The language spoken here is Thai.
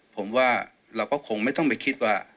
ผมว่าเราก็คงไม่ต้องไปคิดว่า